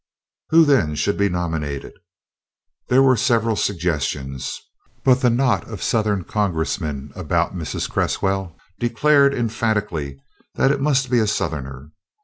Who, then, should be nominated? There were several suggestions, but the knot of Southern Congressmen about Mrs. Cresswell declared emphatically that it must be a Southerner.